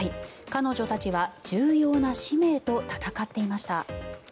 彼女たちは重要な使命と闘っていました。